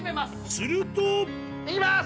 するといきます！